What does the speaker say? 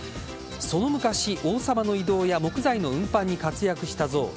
その昔、王様の移動や木材の運搬に活躍した象。